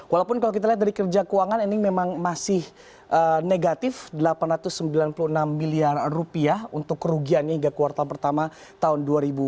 walaupun kalau kita lihat dari kerja keuangan ini memang masih negatif rp delapan ratus sembilan puluh enam miliar rupiah untuk kerugiannya hingga kuartal pertama tahun dua ribu dua puluh